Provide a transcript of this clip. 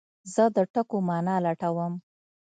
زه د ټکو مانا لټوم.